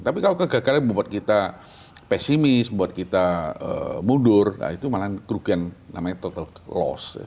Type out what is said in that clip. tapi kalau kegagalan membuat kita pesimis membuat kita mundur nah itu malah kerugian namanya total loss